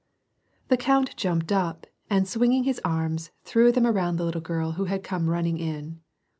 The count jumped up, and swinging his arms, threw them around the little girl who had come running in.